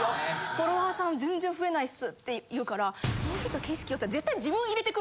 「フォロワーさん全然増えないっす」って言うからもうちょっと景色をって言ったら。